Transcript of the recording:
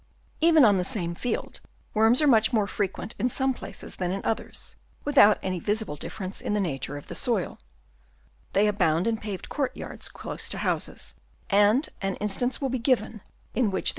Even on the same field worms are much more frequent in some places than in others, without any visible difference in the nature of the soil. They abound in paved court yards close to houses ; and an instance will be given in which they had *' Bidrag till Skandinaviens Oligochajtfauna,' 1871.